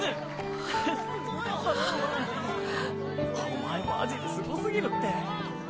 お前マジですごすぎるって。